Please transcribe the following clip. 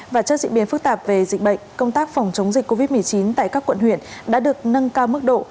và trước diễn biến phức tạp về dịch bệnh công tác phòng chống dịch covid một mươi chín tại các quận huyện đã được nâng cao mức độ